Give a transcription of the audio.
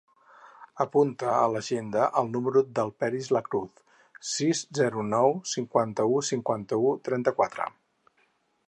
Apunta a l'agenda el número del Peris Lacruz: sis, zero, nou, cinquanta-u, cinquanta-u, trenta-quatre.